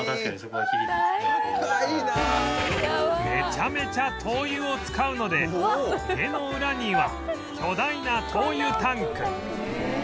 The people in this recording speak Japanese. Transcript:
めちゃめちゃ灯油を使うので家のウラには巨大な灯油タンク